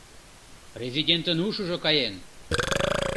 Резидентын ушыжо каен!